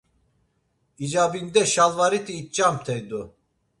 İcabinde şalvariti iç̌amt̆ey do…